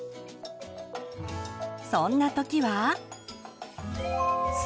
そんな時は。